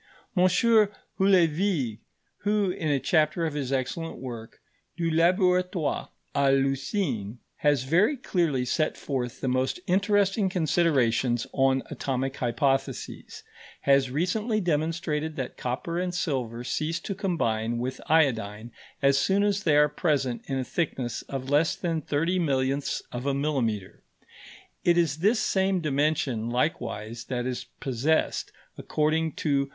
M. Houllevigue, who, in a chapter of his excellent work, Du Laboratoire à l'Usine, has very clearly set forth the most interesting considerations on atomic hypotheses, has recently demonstrated that copper and silver cease to combine with iodine as soon as they are present in a thickness of less than thirty millionths of a millimetre. It is this same dimension likewise that is possessed, according to M.